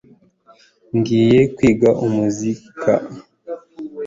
ngiye kwiga umuzika